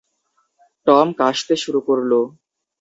Tom কাশতে শুরু করলো।